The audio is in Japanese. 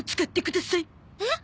えっ？